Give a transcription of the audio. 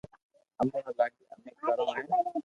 امو ني لاگي امي ڪرو ھين